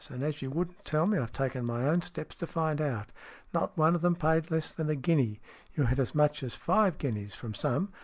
And as you wouldn't tell me, I've taken my own steps to find out. Not one of them paid less than a guinea. You had as much as five guineas from some.